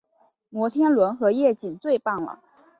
摩天轮和夜景最棒了